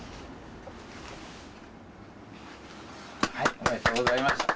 おめでとうございます。